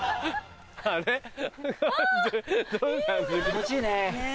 気持ちいいね！ね！